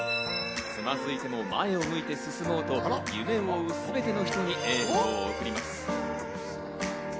つまずいても、前を向いて進もうと夢を追うすべての人にエールを送ります。